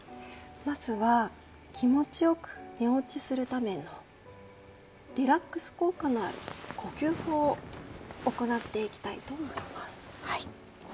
まずは、気持ちよく寝落ちするためのリラックス効果がある呼吸法を行っていきたいと思います。